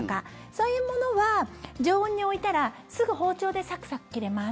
そういうものは常温に置いたらすぐ包丁でサクサク切れます。